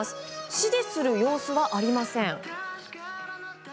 指示する様子はありません。